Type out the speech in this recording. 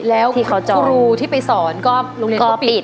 แล้วครูที่ไปสอนก็โรงเรียนก็ปิด